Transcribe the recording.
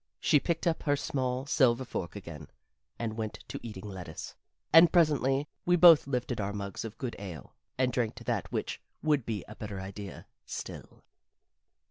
She picked up her small silver fork again and went to eating lettuce. And presently we both lifted our mugs of good ale and drank to that which would be a better idea still.